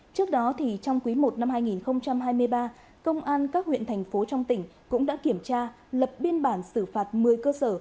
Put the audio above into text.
trước đó trong quý i năm hai nghìn hai mươi ba công an các huyện thành phố trong tỉnh cũng đã kiểm tra lập biên bản xử phạt một mươi cơ sở